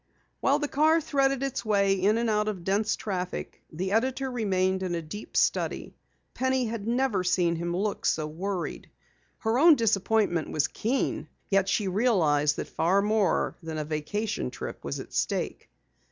While the car threaded its way in and out of dense traffic, the editor remained in a deep study. Penny had never seen him look so worried. Her own disappointment was keen, yet she realized that far more than a vacation trip was at stake.